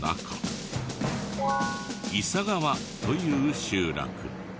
砂川という集落。